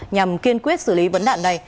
nhằm kiên quyết xử lý vấn đạn này